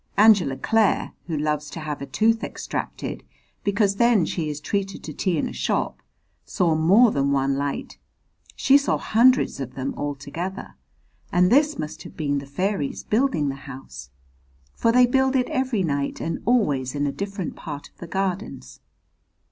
Angela Clare, who loves to have a tooth extracted because then she is treated to tea in a shop, saw more than one light, she saw hundreds of them all together, and this must have been the fairies building the house, for they build it every night and always in a different part of the Gardens.